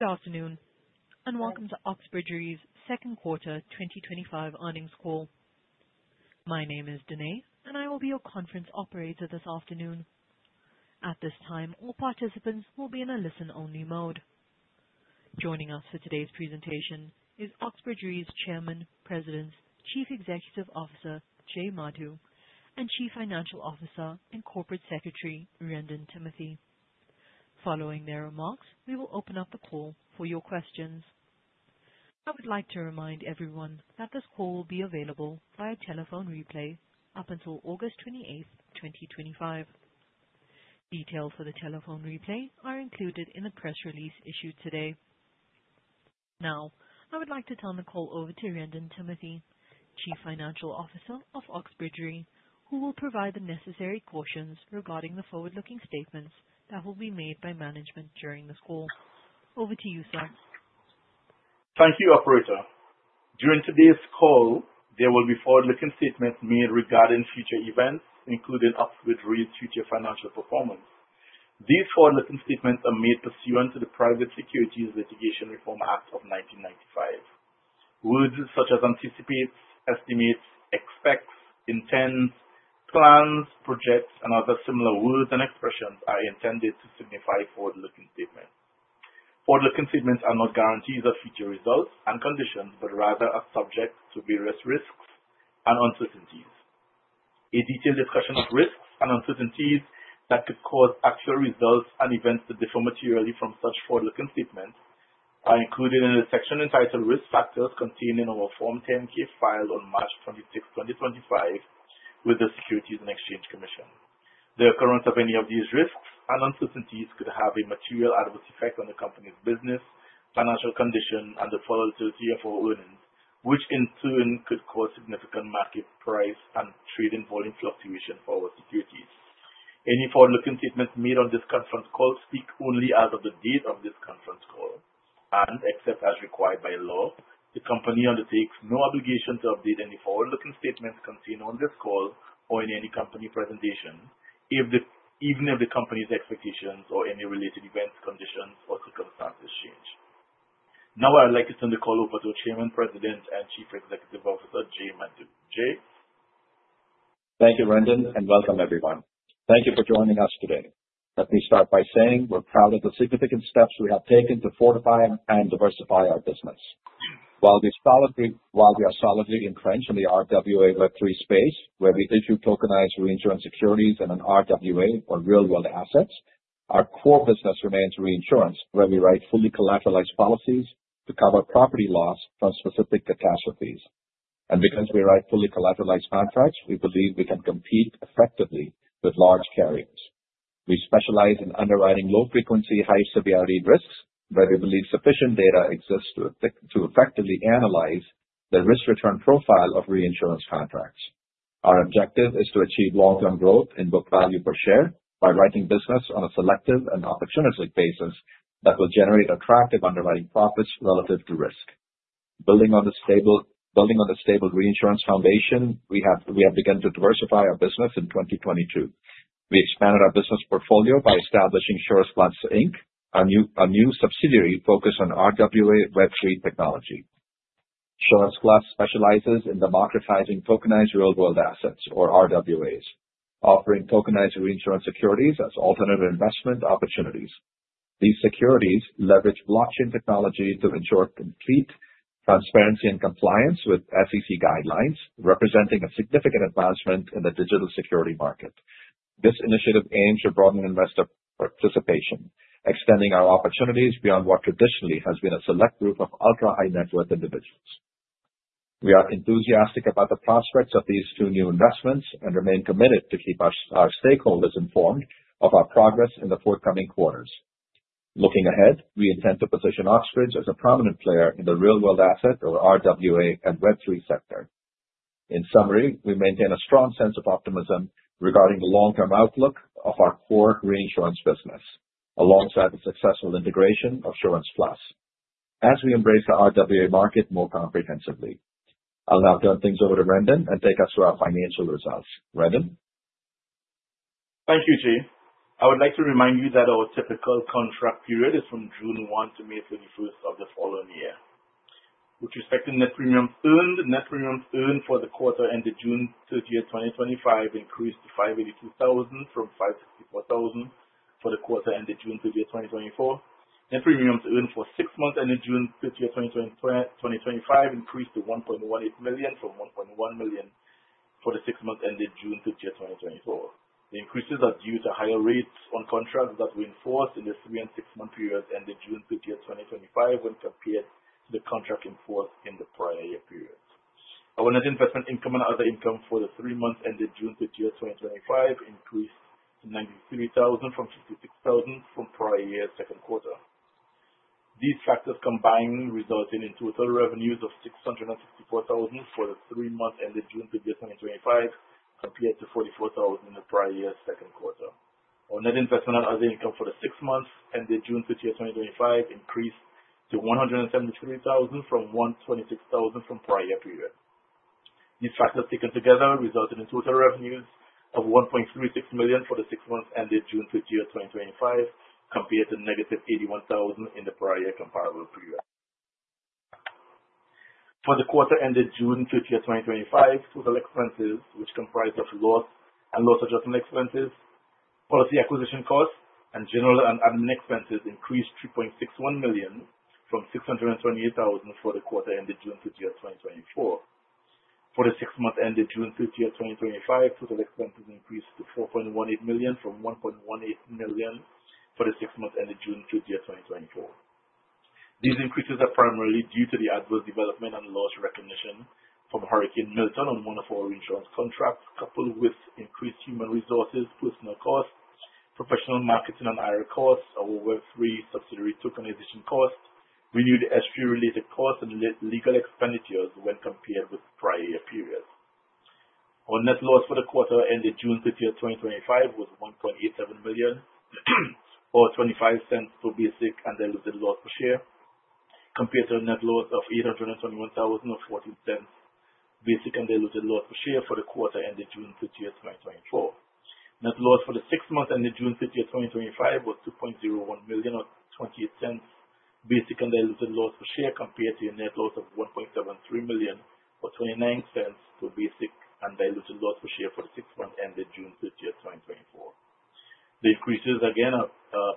Good afternoon and welcome to Oxbridge Re Second Quarter 2025 Earnings Call. My name is Dineh, and I will be your conference operator this afternoon. At this time, all participants will be in a listen-only mode. Joining us for today's presentation is Oxbridge Re Chairman, President, Chief Executive Officer, Jay Madhu, and Chief Financial Officer and Corporate Secretary, Wrendon Timothy. Following their remarks, we will open up the call for your questions. I would like to remind everyone that this call will be available via telephone replay up until August 28, 2025. Details for the telephone replay are included in the press release issued today. Now, I would like to turn the call over to Wrendon Timothy, Chief Financial Officer of Oxbridge Re, who will provide the necessary cautions regarding the forward-looking statements that will be made by management during this call. Over to you, sir. Thank you, Operator. During today's call, there will be forward-looking statements made regarding future events, including Oxbridge Re future financial performance. These forward-looking statements are made pursuant to the Private Securities Litigation Reform Act of 1995. Words such as anticipates, estimates, expects, intends, plans, projects, and other similar words and expressions are intended to signify forward-looking statements. Forward-looking statements are not guarantees of future results and conditions, but rather are subject to various risks and uncertainties. A detailed discussion of risks and uncertainties that could cause actual results and events that differ materially from such forward-looking statements are included in a section entitled Risk Factors contained in our Form 10-K filed on March 26, 2025, with the Securities and Exchange Commission. The occurrence of any of these risks and uncertainties could have a material adverse effect on the company's business, financial condition, and the volatility of our earnings, which in turn could cause significant market price and trading volume fluctuation for our securities. Any forward-looking statements made on this conference call speak only as of the date of this conference call, and except as required by law, the company undertakes no obligation to update any forward-looking statements contained on this call or in any company presentation, even if the company's expectations or any related events, conditions, or circumstances change. Now I'd like to turn the call over to Chairman, President, and Chief Executive Officer, Jay Madhu. Thank you, Wrendon, and welcome everyone. Thank you for joining us today. Let me start by saying we're proud of the significant steps we have taken to fortify and diversify our business. While we are solidly entrenched in the RWA Web3 space, where we issue tokenized reinsurance securities and an RWA on real-world assets, our core business remains reinsurance, where we write fully collateralized policies to cover property loss from specific catastrophes. Because we write fully collateralized contracts, we believe we can compete effectively with large carriers. We specialize in underwriting low-frequency, high-severity risks, where we believe sufficient data exists to effectively analyze the risk-return profile of reinsurance contracts. Our objective is to achieve long-term growth in book value per share by writing business on a selective and opportunistic basis that will generate attractive underwriting profits relative to risk. Building on the stable reinsurance foundation, we have begun to diversify our business in 2022. We expanded our business portfolio by establishing SurancePlus Inc., our new subsidiary focused on RWA Web3 technology. SurancePlus specializes in democratizing tokenized real-world assets, or RWAs, offering tokenized reinsurance securities as alternative investment opportunities. These securities leverage blockchain technology to ensure complete transparency and compliance with SEC guidelines, representing a significant advancement in the digital security market. This initiative aims to broaden investor participation, extending our opportunities beyond what traditionally has been a select group of ultra-high-net-worth individuals. We are enthusiastic about the prospects of these two new investments and remain committed to keep our stakeholders informed of our progress in the forthcoming quarters. Looking ahead, we intend to position Oxbridge as a prominent player in the real-world asset, or RWA, and Web3 sector. In summary, we maintain a strong sense of optimism regarding the long-term outlook of our core reinsurance business, alongside the successful integration of SurancePlus as we embrace the RWA market more comprehensively. I'll now turn things over to Wrendon and take us through our financial results. Wrendon? Thank you, Jay. I would like to remind you that our typical contract period is from June 1 to May 31st of the following year. With respect to net premiums earned, net premiums earned for the quarter ended June 30, 2025, increased to $582,000 from $564,000 for the quarter ended June 30, 2024. Net premiums earned for the six months ended June 30, 2025, increased to $1.18 million from $1.1 million for the six months ended June 30, 2024. The increases are due to higher rates on contracts that were in force in the three and six month periods ended June 30, 2025, when compared to the contracts in force in the prior year periods. Our net investment income and other income for the three months ended June 30, 2025, increased to $93,000 from $56,000 from prior year's second quarter. These factors combined, resulting in total revenues of $664,000 for the three months ended June 30, 2025, compared to $44,000 in the prior year's second quarter. Our net investment and other income for the six months ended June 30, 2025, increased to $173,000 from $126,000 from prior year period. These factors taken together resulted in total revenues of $1.36 million for the six months ended June 30, 2025, compared to negative $81,000 in the prior year comparable period. For the quarter ended June 30, 2025, total expenses, which comprised of loss and loss adjustment expenses, policy acquisition costs, and general and administrative expenses, increased to $3.61 million from $628,000 for the quarter ended June 30, 2024. For the six months ended June 30, 2025, total expenses increased to $4.18 million from $1.18 million for the six months ended June 30, 2024. These increases are primarily due to the adverse development and loss recognition from Hurricane Milton on monoline reinsurance contracts, coupled with increased human resources, personnel costs, professional marketing and hiring costs, our Web3 subsidiary tokenization costs, renewed HQ-related costs, and legal expenditures when compared with the prior year period. Our net loss for the quarter ended June 30, 2025, was $1.87 million or $0.25 per basic and diluted loss per share, compared to a net loss of $821,000 or $0.40 basic and diluted loss per share for the quarter ended June 30, 2024. Net loss for the six months ended June 30, 2025, was $2.01 million or $0.28 basic and diluted loss per share, compared to a net loss of $1.73 million or $0.29 per basic and diluted loss per share for the six months ended June 30, 2024. The increases, again, are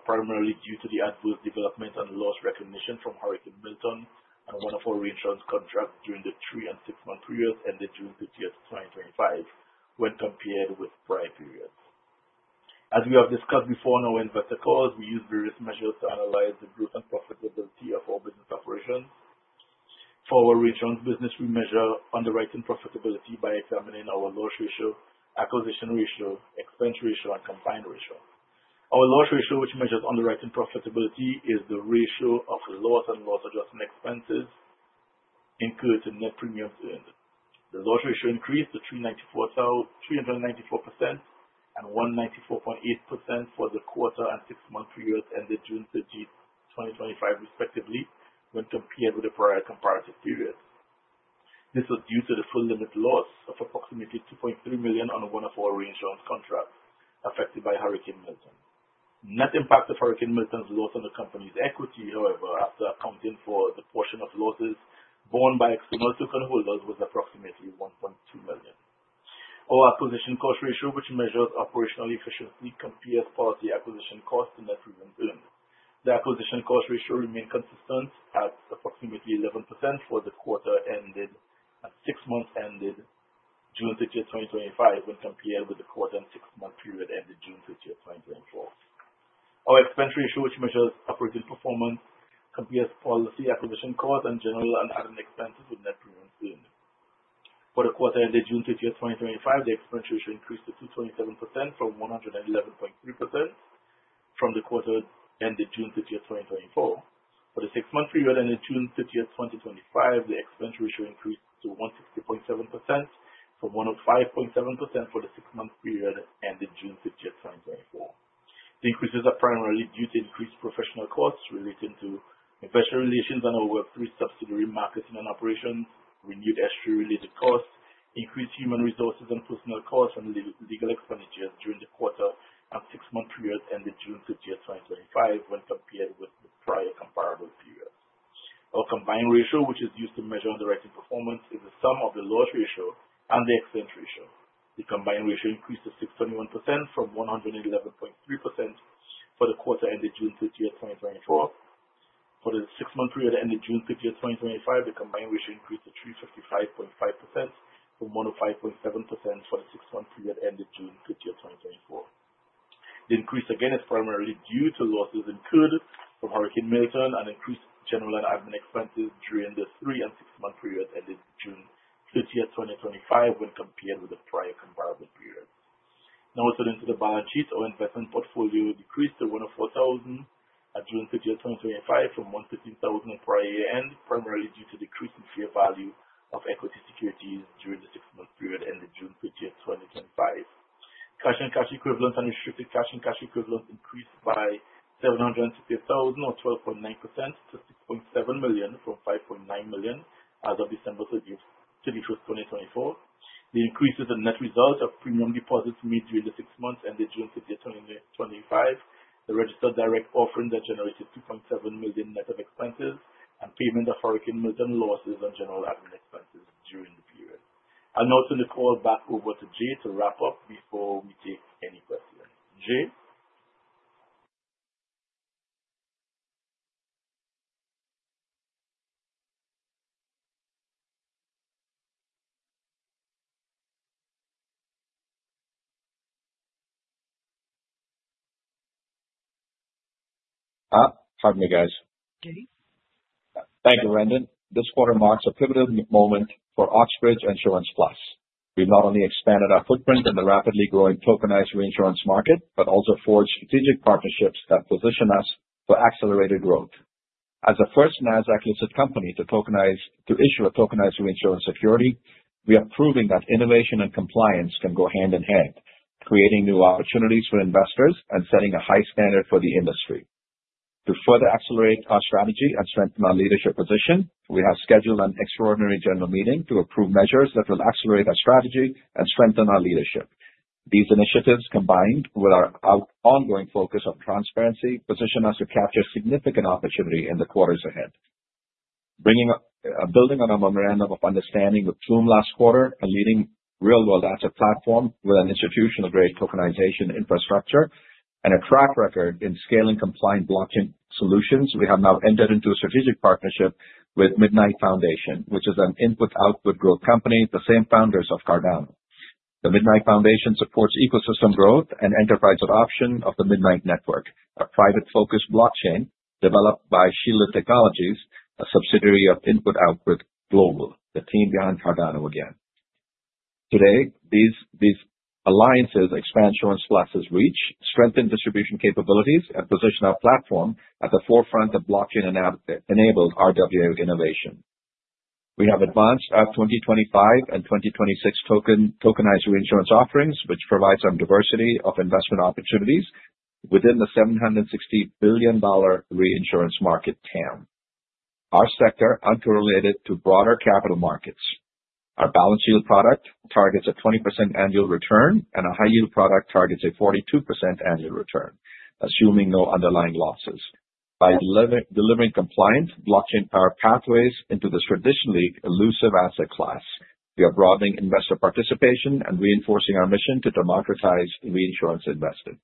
primarily due to the adverse development and loss recognition from Hurricane Milton on one of our reinsurance contracts during the three and six month periods ended June 30, 2025, when compared with prior periods. As we have discussed before in our investor calls, we use various measures to analyze the growth and profitability of our business operation. For our reinsurance business, we measure underwriting profitability by examining our loss ratio, acquisition ratio, expense ratio, and combined ratio. Our loss ratio, which measures underwriting profitability, is the ratio of loss and loss adjustment expenses incurred to net premiums. The loss ratio increased to $394,000, 394% and 194.8% for the quarter and six month periods ended June 30, 2025, respectively, when compared with the prior comparative period. This was due to the full limit loss of approximately $2.3 million on a monoline reinsurance contract affected by Hurricane Milton. The net impact of Hurricane Milton's loss on the company's equity, however, after accounting for the portion of losses borne by external token holders, was approximately $1.2 million. Our acquisition cost ratio, which measures operational efficiency, compares policy acquisition cost to net premium earned. The acquisition cost ratio remained consistent at approximately 11% for the quarter ended and six months ended June 30, 2025, when compared with the quarter and six month period ended June 30, 2024. Our expense ratio, which measures operating performance, compares policy acquisition cost and general and admin expenses with net premium earned. For the quarter ended June 30, 2025, the expense ratio increased to 327% from 111.3% for the quarter ended June 30, 2024. For the six month period ended June 30, 2025, the expense ratio increased to 160.7% from 105.7% for the six month period ended June 30, 2024. The increases are primarily due to increased professional costs related to investor relations on our Web3 subsidiary marketing and operation, renewed HQ-related costs, increased human resources and personnel costs, and legal expenditures during the quarter and six month period ended June 30, 2025, when compared with the prior comparable period. Our combined ratio, which is used to measure underwriting performance, is the sum of the loss ratio and the expense ratio. The combined ratio increased to 621% from 111.3% for the quarter ended June 30, 2024. For the six month period ended June 30, 2025, the combined ratio increased to 355.5% from 105.7% for the six month period ended June 30, 2024. The increase again is primarily due to losses incurred from Hurricane Milton and increased general and admin expenses during the three and six month periods ended June 30, 2025, when compared with the prior comparable period. Now, turning to the balance sheet, our investment portfolio decreased to $104,000 at June 30, 2025, from $115,000 prior year end, primarily due to decrease in fair value of equity securities during the six month period ended June 30, 2025. Cash and cash equivalents and restricted cash and cash equivalents increased by $750,000 or 12.9% to $6.7 million from $5.9 million as of December 30, 2024. The increase is a net result of premium deposits made during the six months ended June 30, 2025, the registered direct offering that generated $2.7 million net of expenses, and premiums of Hurricane Milton losses on general admin expenses during the period. I'll now turn the call back over to Jay to wrap up before we take any questions. Jay? Hi. Five minutes, guys. Jay? Thank you, Wrendon. This quarter marks a pivotal moment for Oxbridge and SurancePlus. We not only expanded our footprint in the rapidly growing tokenized reinsurance market, but also forged strategic partnerships that position us for accelerated growth. As the first Nasdaq-listed company to issue a tokenized reinsurance security, we are proving that innovation and compliance can go hand in hand, creating new opportunities for investors and setting a high standard for the industry. To further accelerate our strategy and strengthen our leadership position, we have scheduled an extraordinary general meeting to approve measures that will accelerate our strategy and strengthen our leadership. These initiatives, combined with our ongoing focus on transparency, position us to capture significant opportunity in the quarters ahead. Building on our memorandum of understanding with Plume last quarter, a leading real-world asset platform with an institutional-grade tokenization infrastructure and a track record in scaling compliant blockchain solutions, we have now entered into a strategic partnership with Midnight Foundation, which is an Input Output Global company, the same founders of Cardano. The Midnight Foundation supports ecosystem growth and enterprise adoption of the Midnight Network, a privacy-focused blockchain developed by Shielded Technologies, a subsidiary of Input Output Global. The team behind Cardano again. Today, these alliances expand SurancePlus reach, strengthen distribution capabilities, and position our platform at the forefront of blockchain-enabled RWA innovation. We have advanced our 2025 and 2026 tokenized reinsurance offerings, which provide some diversity of investment opportunities within the $760 billion reinsurance market TAM. Our sector is uncorrelated to broader capital markets. Our balance yield product targets a 20% annual return, and a high-yield product targets a 42% annual return, assuming no underlying losses. By delivering compliant blockchain-powered pathways into this traditionally elusive asset class, we are broadening investor participation and reinforcing our mission to democratize reinsurance investing.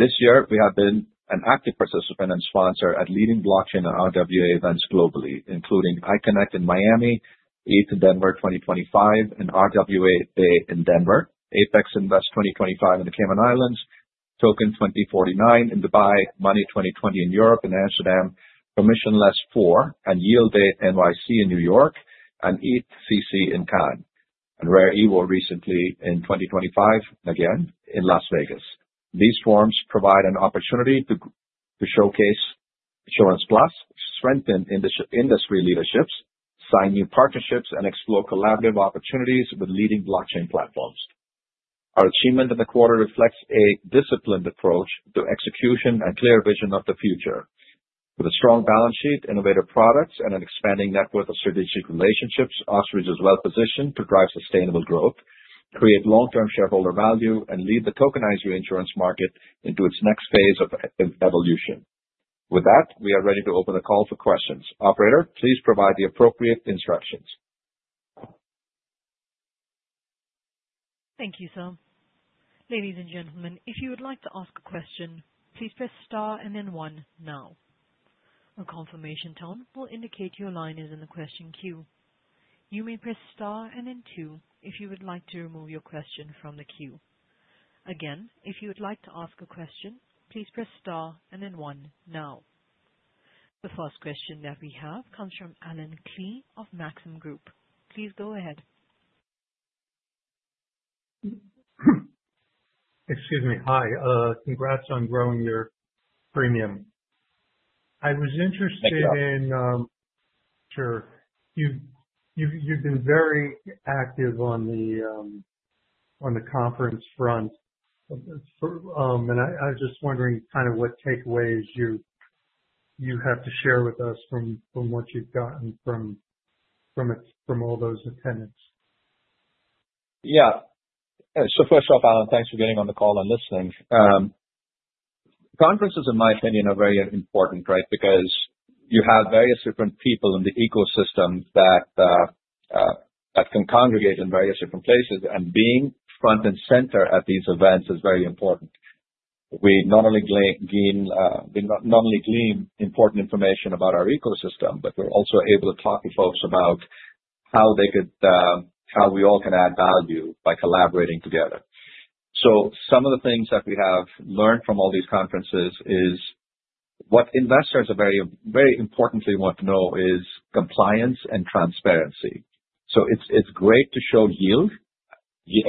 This year, we have been an active participant and sponsor at leading blockchain and RWA events globally, including iConnect in Miami, ETHDenver 2025, and RWA Day in Denver, Apex Invest 2025 in the Cayman Islands, Token 2049 in Dubai, Money 2020 in Europe in Amsterdam, Permissionless 4, and Yield Day NYC in New York, and EthCC in Cannes, and Rare EVO recently in 2025, again in Las Vegas. These forums provide an opportunity to showcase SurancePlus Inc., strengthen industry leadership, sign new partnerships, and explore collaborative opportunities with leading blockchain platforms. Our achievement in the quarter reflects a disciplined approach to execution and clear vision of the future. With a strong balance sheet, innovative products, and an expanding network of strategic relationships, Oxbridge is well-positioned to drive sustainable growth, create long-term shareholder value, and lead the tokenized reinsurance market into its next phase of evolution. With that, we are ready to open the call for questions. Operator, please provide the appropriate instructions. Thank you, Sam. Ladies and gentlemen, if you would like to ask a question, please press star and then one now. A confirmation tone will indicate your line is in the question queue. You may press star and then two if you would like to remove your question from the queue. Again, if you would like to ask a question, please press star and then one now. The first question that we have comes from Allen Klee of Maxim Group. Please go ahead. Excuse me. Hi. Congrats on growing your premium. I was interested in. Sure. You've been very active on the conference front. I was just wondering what takeaways you have to share with us from what you've gotten from all those attendance. Yeah. First off, Allen, thanks for getting on the call and listening. Conferences, in my opinion, are very important, right? You have various different people in the ecosystem that can congregate in various different places, and being front and center at these events is very important. We not only glean important information about our ecosystem, but we're also able to talk to folks about how we all can add value by collaborating together. Some of the things that we have learned from all these conferences is what investors very importantly want to know is compliance and transparency. It's great to show yield.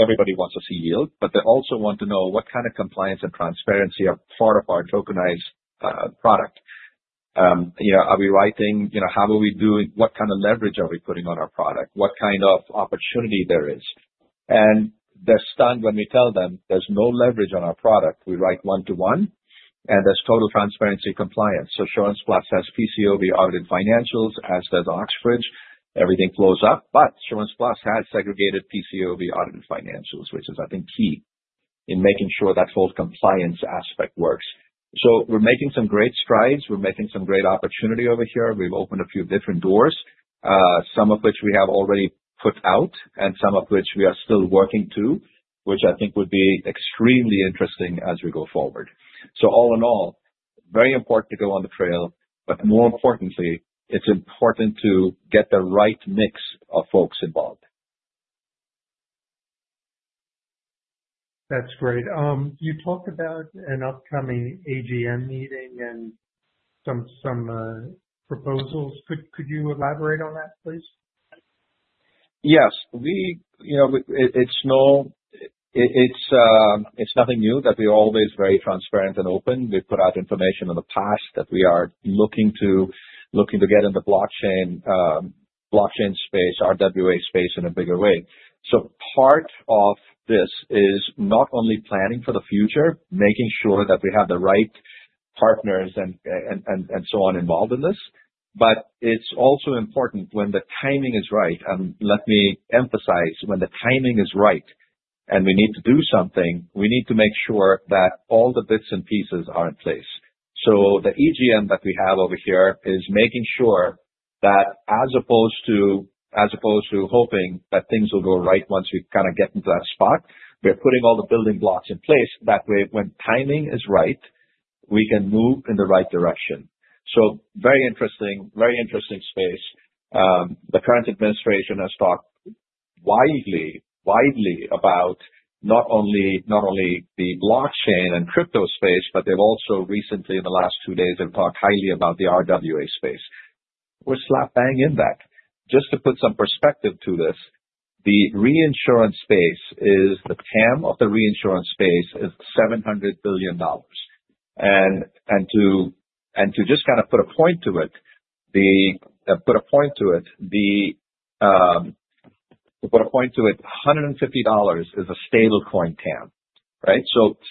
Everybody wants to see yield, but they also want to know what kind of compliance and transparency are part of our tokenized product. Are we writing? How are we doing? What kind of leverage are we putting on our product? What kind of opportunity there is? They're stunned when we tell them there's no leverage on our product. We write one-to-one, and there's total transparency compliance. SurancePlus has PCOV auditing financials, as does Oxbridge. Everything flows up, but SurancePlus has segregated PCOV auditing financials, which is, I think, key in making sure that whole compliance aspect works. We're making some great strides. We're making some great opportunity over here. We've opened a few different doors, some of which we have already put out and some of which we are still working to, which I think would be extremely interesting as we go forward. All in all, very important to go on the trail, but more importantly, it's important to get the right mix of folks involved. That's great. You talked about an upcoming AGM meeting and some proposals. Could you elaborate on that, please? Yes. You know, it's nothing new that we are always very transparent and open. We've put out information in the past that we are looking to get in the blockchain space, RWA space, in a bigger way. Part of this is not only planning for the future, making sure that we have the right partners and so on involved in this, but it's also important when the timing is right. Let me emphasize, when the timing is right and we need to do something, we need to make sure that all the bits and pieces are in place. The AGM that we have over here is making sure that, as opposed to hoping that things will go right once we kind of get into that spot, we're putting all the building blocks in place. That way, when timing is right, we can move in the right direction. Very interesting, very interesting space. The current administration has talked widely, widely about not only the blockchain and crypto space, but they've also recently, in the last two days, talked highly about the RWA space. We're slap-banging that. Just to put some perspective to this, the reinsurance space is the TAM of the reinsurance space is $700 billion. To just kind of put a point to it, $150 billion is a stablecoin TAM, right?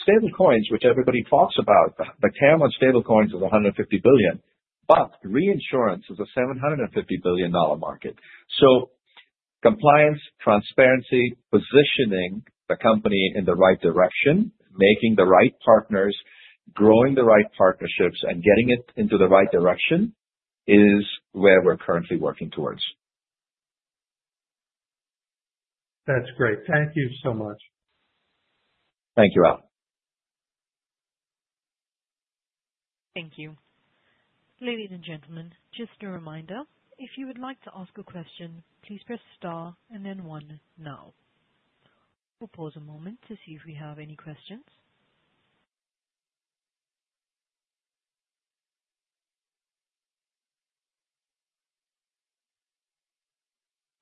Stablecoins, which everybody talks about, the TAM on stablecoins is $150 billion, but reinsurance is a $750 billion market. Compliance, transparency, positioning the company in the right direction, making the right partners, growing the right partnerships, and getting it into the right direction is where we're currently working towards. That's great. Thank you so much. Thank you, Allen. Thank you. Ladies and gentlemen, just a reminder, if you would like to ask a question, please press star and then one now. We'll pause a moment to see if we have any questions.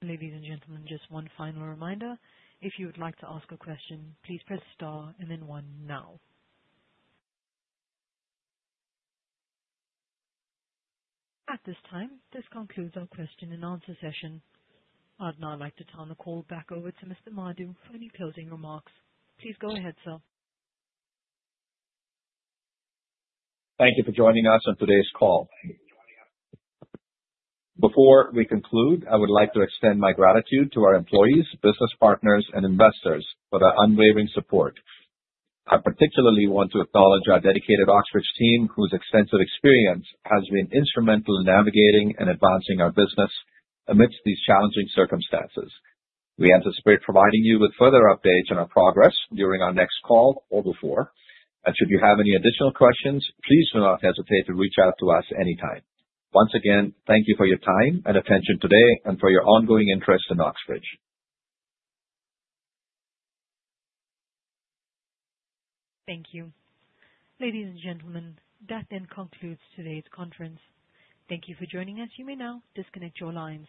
Ladies and gentlemen, just one final reminder, if you would like to ask a question, please press star and then one now. At this time, this concludes our question and answer session. I'd now like to turn the call back over to Mr. Madhu for any closing remarks. Please go ahead, sir. Thank you for joining us on today's call. Before we conclude, I would like to extend my gratitude to our employees, business partners, and investors for their unwavering support. I particularly want to acknowledge our dedicated Oxbridge team, whose extensive experience has been instrumental in navigating and advancing our business amidst these challenging circumstances. We anticipate providing you with further updates on our progress during our next call or before. If you have any additional questions, please do not hesitate to reach out to us anytime. Once again, thank you for your time and attention today and for your ongoing interest in Oxbridge. Thank you. Ladies and gentlemen, that then concludes today's conference. Thank you for joining us. You may now disconnect your lines.